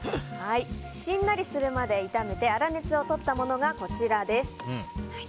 しんなりするまで炒めて粗熱をとったものがこちらです。